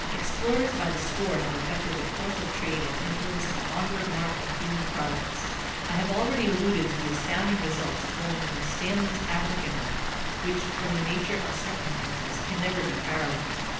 Explorers by the score have affected the course of trade and influenced the onward march of human progress. I have already alluded to the astounding results flowing from Stanley's African work, which, from the nature of circumstances, ean never be paralleled.